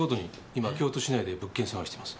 今京都市内で物件探してます。